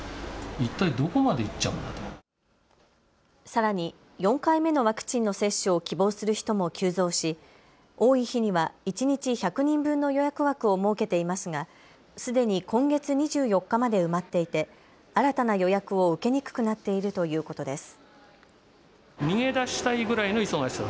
さらに４回目のワクチンの接種を希望する人も急増し、多い日には一日１００人分の予約枠を設けていますが、すでに今月２４日まで埋まっていて新たな予約を受けにくくなっているということです。